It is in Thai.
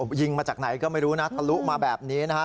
ยิงมาจากไหนก็ไม่รู้นะทะลุมาแบบนี้นะฮะ